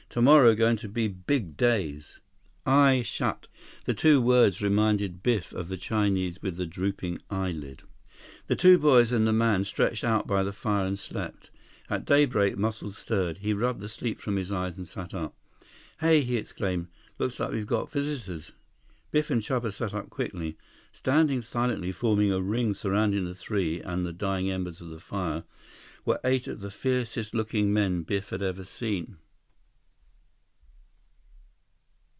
Tomorrow going to be big days." Eye shut! The two words reminded Biff of the Chinese with the drooping eyelid. The two boys and the man stretched out by the fire and slept. At daybreak, Muscles stirred. He rubbed the sleep from his eyes and sat up. "Hey!" he exclaimed. "Looks like we've got visitors." Biff and Chuba sat up quickly. Standing silently, forming a ring surrounding the three and the dying embers of the fire, were eight of the fiercest looking men Biff had ever seen.